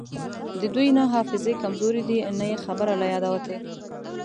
د دوی نه حافظې کمزورې دي نه یی خبره له یاده وتې